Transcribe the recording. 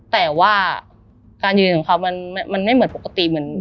แต่ว่าการยืนของเขามันไม่เหมือนปกติเหมือน